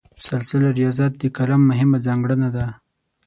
مسلسل ریاضت د کالم مهمه ځانګړنه ده.